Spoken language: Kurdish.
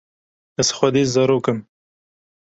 ez xwedî zarok im